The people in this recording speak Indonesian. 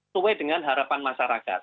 sesuai dengan harapan masyarakat